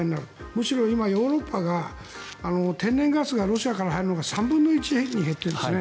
むしろ今ヨーロッパが天然ガスがロシアから入るのが３分の１に減っているんですね。